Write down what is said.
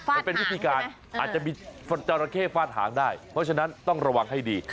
มันเป็นวิธีการอาจจะมีจราเข้ฟาดหางได้เพราะฉะนั้นต้องระวังให้ดี